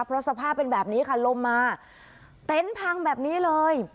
เพราะสภาพเป็นแบบนี้ค่ะลมมาเต็นต์พังแบบนี้เลย